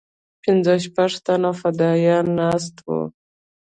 پنځه شپږ تنه فدايان ناست وو.